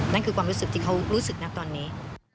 นั่นคือความรู้สึกที่เขารู้สึกนะตอนนี้